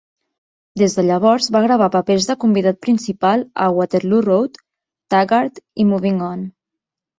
Des de llavors va gravar papers de convidat principal a "Waterloo Road", "Taggart" i "Moving On".